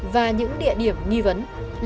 và những địa điểm nghi vấn của các đối tượng